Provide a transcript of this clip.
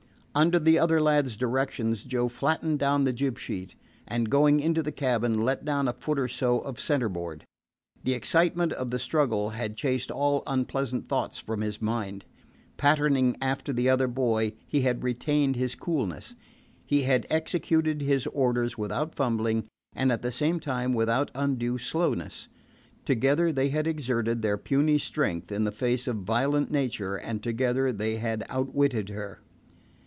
Under the other lad's directions, Joe flattened down the jib sheet, and, going into the cabin, let down a foot or so of centerboard. The excitement of the struggle had chased all unpleasant thoughts from his mind. Patterning after the other boy, he had retained his coolness. He had executed his orders without fumbling, and at the same time without undue slowness. Together they had exerted their puny strength in the face of violent nature, and together they had outwitted her.